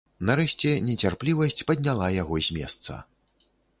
Нарэшце нецярплівасць падняла яго з месца.